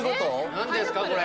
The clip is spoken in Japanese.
何ですかこれ？